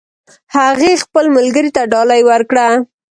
هغې خپل ملګري ته ډالۍ ورکړه